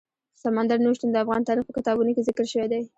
سمندر نه شتون د افغان تاریخ په کتابونو کې ذکر شوی دي.